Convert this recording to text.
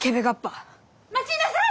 待ちなさい！